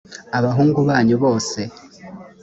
abahungu banyu bose